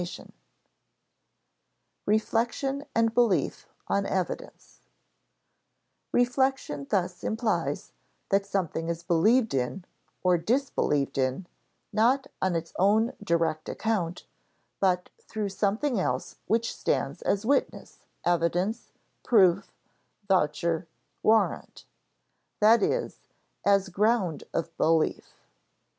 [Sidenote: Reflection and belief on evidence] Reflection thus implies that something is believed in (or disbelieved in), not on its own direct account, but through something else which stands as witness, evidence, proof, voucher, warrant; that is, as ground of belief.